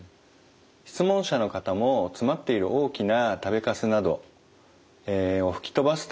質問者の方も詰まっている大きな食べかすなど吹き飛ばすためにですね